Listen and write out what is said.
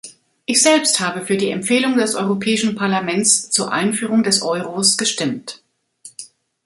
Ich selbst habe für die Empfehlung des Europäischen Parlaments zur Einführung des Euros gestimmt.